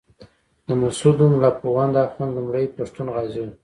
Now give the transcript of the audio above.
د مسودو ملا پوونده اخُند لومړی پښتون غازي وو.